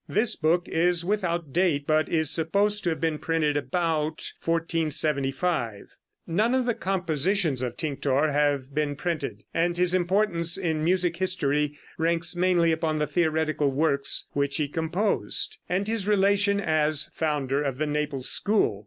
This book is without date, but is supposed to have been printed about 1475. None of the compositions of Tinctor have been printed, and his importance in music history ranks mainly upon the theoretical works which he composed, and his relation as founder of the Naples school.